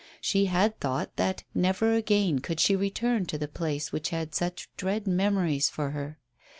She had thought that never again could she return to the place which had such dread memories for her.